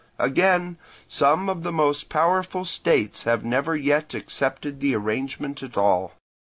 Again, some of the most powerful states have never yet accepted the arrangement at all.